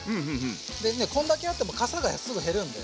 でねこんだけあってもかさがすぐ減るんで。